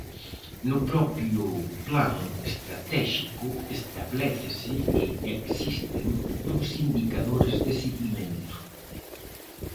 No propio Plan estratéxico establécese que existen uns indicadores de seguimento.